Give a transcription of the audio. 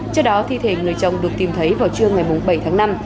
trước đó thi thể người chồng được tìm thấy vào trưa ngày bảy tháng năm